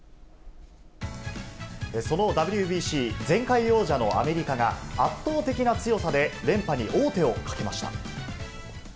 そのＷＢＣ、前回王者のアメリカが、圧倒的な強さで、連覇に王手をかけました。